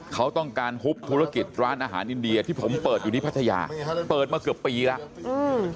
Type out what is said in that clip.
เขาต้องการฮุบธุรกิจร้านอาหารอินเดียที่ผมเปิดอยู่ที่พัทยาเปิดมาเกือบปีแล้วอืม